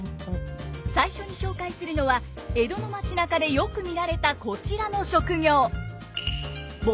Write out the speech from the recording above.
最初に紹介するのは江戸の町なかでよく見られたこちらの職業！